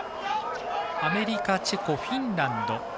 アメリカ、チェコ、フィンランド。